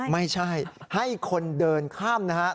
ไม่ใช่ให้คนเดินข้ามนะฮะ